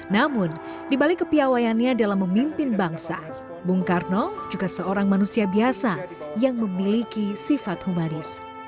namun dibalik kepiawayannya dalam memimpin bangsa bung karno juga seorang manusia biasa yang memiliki sifat humanis